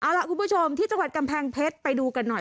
เอาล่ะคุณผู้ชมที่จังหวัดกำแพงเพชรไปดูกันหน่อย